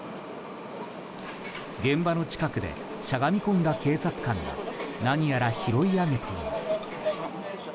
現場の近くでしゃがみ込んだ警察官が何やら拾い上げています。